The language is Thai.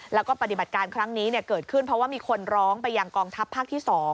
แล้วก็ปฏิบัติการครั้งนี้เกิดขึ้นเพราะว่ามีคนร้องไปยังกองทัพภาคที่๒